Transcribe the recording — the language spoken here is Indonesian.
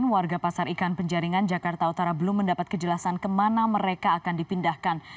warga pasar ikan penjaringan jakarta utara belum mendapat kejelasan kemana mereka akan dipindahkan